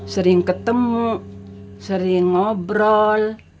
sering ketemu sering ngobrol